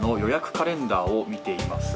カレンダーを見ています。